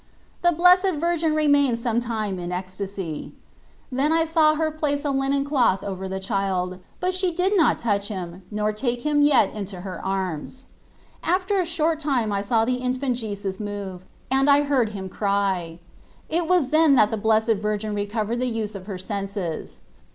The Blessed Virgin remained some time in ecstasy. Then I saw her place a linen cloth over the child ; but she did not touch Him nor take Him yet into her arms. After a short time I saw the In fant Jesus move, and I heard Him cry. It was then that the Blessed Virgin re covered the use of her senses.